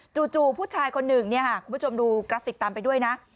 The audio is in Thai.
จู่จู่ผู้ชายคนหนึ่งเนี่ยค่ะคุณผู้ชมดูกราฟิกตามไปด้วยนะ